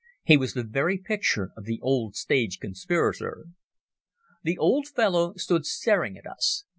He was the very picture of the old stage conspirator. The old fellow stood staring at us.